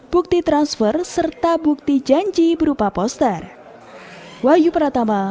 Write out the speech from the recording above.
bukti transfer serta bukti janji berupa poster